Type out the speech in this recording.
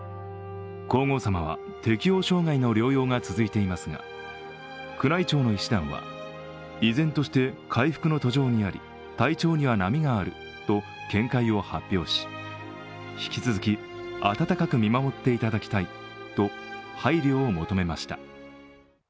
皇后さまは適応障害の療養が続いていますが宮内庁の医師団は依然として回復の途上にあり体調には波があると見解を発表し引き続き温かく見守っていただきたいと配慮を求めました。